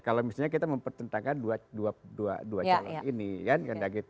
kalau misalnya kita mempertentangkan dua calon ini